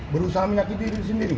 berusaha menyakiti diri sendiri